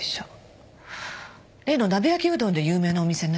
例の鍋焼きうどんで有名なお店ね。